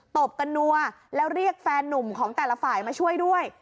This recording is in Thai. ตบกันนัวแล้วเรียกแฟนนุ่มของแต่ละฝ่ายมาช่วยด้วย